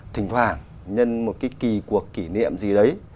thỉnh thoảng nhân một cái kỳ cuộc kỷ niệm gì đấy